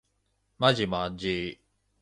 まじまんじ